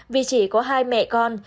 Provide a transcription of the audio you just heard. vì chỉ có hai mẹ con